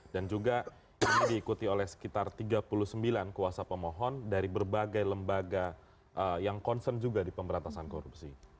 dan juga diikuti oleh sekitar tiga puluh sembilan kuasa pemohon dari berbagai lembaga yang concern juga di pemberantasan korupsi